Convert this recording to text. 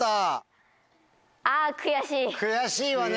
悔しいわね！